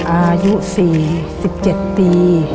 อายุ๔๗ปี